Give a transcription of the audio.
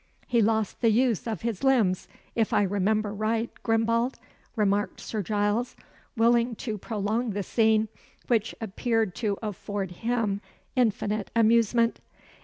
"He lost the use of his limbs, if I remember right, Grimbald?" remarked Sir Giles, willing to prolong the scene, which appeared to afford him infinite amusement.